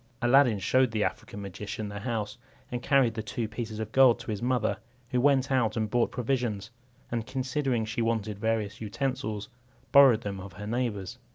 Aladdin showed the African magician the house, and carried the two pieces of gold to his mother, who went out and bought provisions; and considering she wanted various utensils, borrowed them of her neighbours.